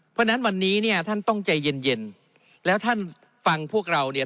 เพราะฉะนั้นวันนี้เนี่ยท่านต้องใจเย็นเย็นแล้วท่านฟังพวกเราเนี่ย